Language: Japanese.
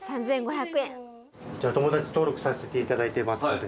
こちら友達登録させていただいてますので。